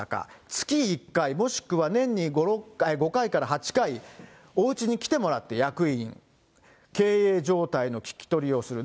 月１回、もしくは年に５回から８回、おうちに来てもらって、役員に、経営状態の聞き取りをする。